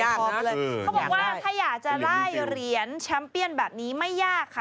เขาบอกว่าถ้าอยากจะไล่เหรียญแชมป์เปี้ยนแบบนี้ไม่ยากค่ะ